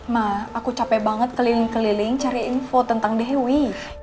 nah aku capek banget keliling keliling cari info tentang dewi